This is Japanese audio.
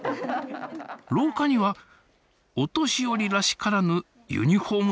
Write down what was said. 廊下にはお年寄りらしからぬユニフォーム